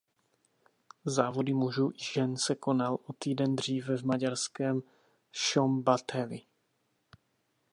Závody mužů i žen se konal o týden dříve v maďarském Szombathely.